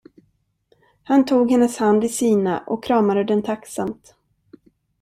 Hon tog hennes hand i sina, och kramade den tacksamt.